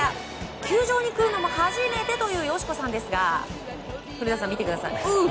球場に来るのも初めてのよしこさんですが古田さん、見てください。